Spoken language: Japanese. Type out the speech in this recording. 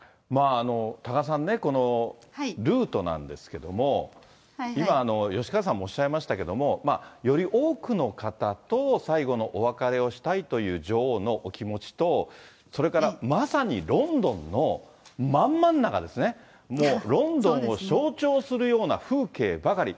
多賀さんね、このルートなんですけれども、今、吉川さんもおっしゃいましたけども、より多くの方と最後のお別れをしたいという女王のお気持ちと、それからまさにロンドンの真ん真ん中ですね、もうロンドンを象徴するような風景ばかり。